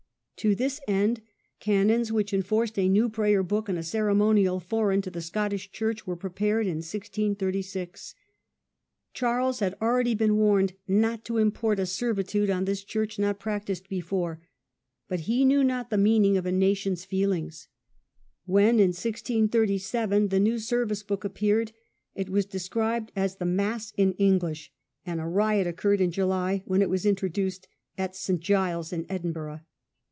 To this end canons, which enforced a new Prayer book and a ceremonial foreign to the Scottish Church, were prepared in 1636. Charles had already been warned not to " import a servi tude on this church not practised before", but he knew not the meaning of a nation^s feelings. When in 1637 the new service book appeared it was described as the " Mass in English ", and a riot occurred in July when it was introduced at St. Giles's in Edinburgh.